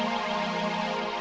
lama ku menunggu